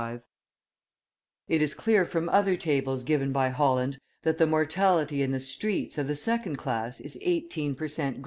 25 It is clear from other tables given by Holland that the mortality in the streets of the second class is 18 per cent.